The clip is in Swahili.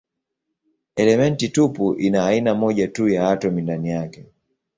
Elementi tupu ina aina moja tu ya atomi ndani yake.